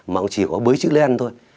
mà cũng chỉ có bới chữ lên thôi